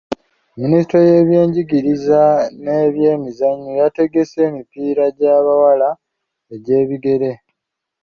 Minisitule y'ebyenjigiriza n'ebyemizannyo yategese emipiira gy'abawala egy'ebigere.